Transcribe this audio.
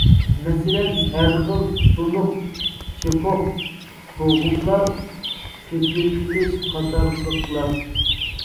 مەسىلەن : ھەر خىل سۇنۇق، چىقۇق، بوغۇملار قېتىۋېلىش قاتارلىقلار.